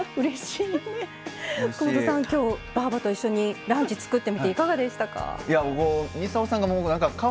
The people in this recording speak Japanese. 福本さん、今日ばぁばと一緒にランチ作ってみていかがでしたか。